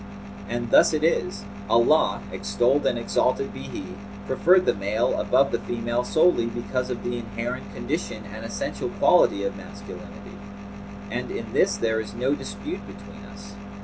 And thus it is: Allah (extolled and exalted be He!) preferred the male above the female solely because of the inherent condition and essential quality of masculinity; and in this there is no dispute between us.